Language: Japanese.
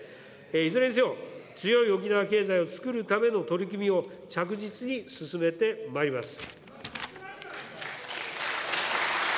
いずれにせよ強い沖縄経済をつくるための取り組みを着実に進めてまいります。